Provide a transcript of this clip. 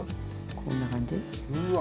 こんな感じ。